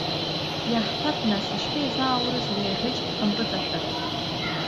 Иаҳҳәап, нас, ишԥеизааурыз уи аӷьыч дҳампыҵашәар?